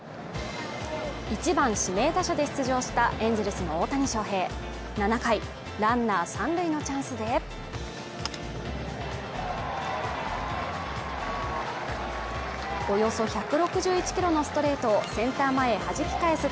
１番指名打者で出場したエンゼルスの大谷翔平７回ランナー３塁のチャンスでおよそ１６１キロのストレートをセンター前へはじき返す